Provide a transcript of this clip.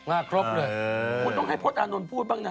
คุณต้องให้โพธอานนท์พูดบ้างนะ